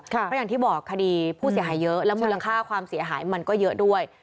เพราะอย่างที่บอกคดีผู้เสียหายเยอะและมูลค่าความเสียหายมันก็เยอะด้วย